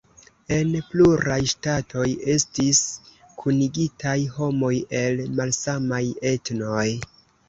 En pluraj ŝtatoj estis kunigitaj homoj el malsamaj etnoj.